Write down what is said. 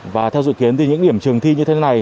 và theo dự kiến thì những điểm trường thi như thế này